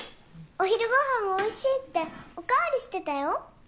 お昼ご飯おいしいってお代わりしてたよ。